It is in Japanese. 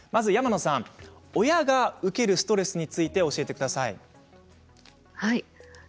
山野さん、まず親が受けるストレスについて教えてください。